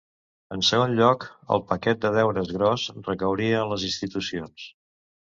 En segon lloc, el paquet de deures gros recauria en les institucions.